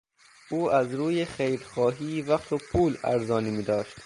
او از روی خیرخواهی وقت و پول ارزانی میداشت.